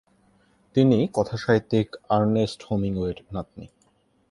তিনি কথাসাহিত্যিক আর্নেস্ট হেমিংওয়ের নাতনী।